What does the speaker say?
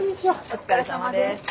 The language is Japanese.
お疲れさまです。